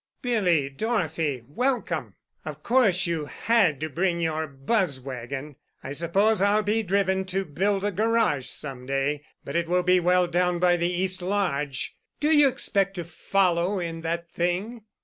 "Billy—Dorothy—welcome! Of course you had to bring your buzz wagon. I suppose I'll be driven to build a garage some day—but it will be well down by the East Lodge. Do you expect to follow in that thing?